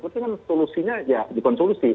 tapi kan solusinya ya dikonsolusi